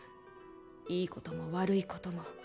いいことも悪いことも